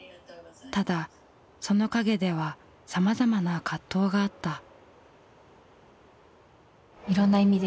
ただその陰ではさまざまな葛藤があった。